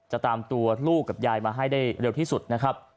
ตามตัวลูกกับยายมาให้ได้เร็วที่สุดนะครับ